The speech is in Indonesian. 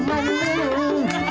hai hai hai